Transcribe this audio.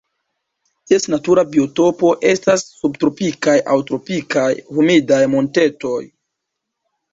Ties natura biotopo estas subtropikaj aŭ tropikaj humidaj montetoj.